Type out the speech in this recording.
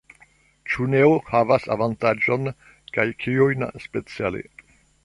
Ĉu Neo havas avantaĝojn kaj kiujn speciale?